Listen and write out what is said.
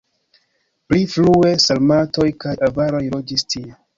Pli frue sarmatoj kaj avaroj loĝis tie.